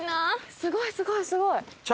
すごいすごいすごい！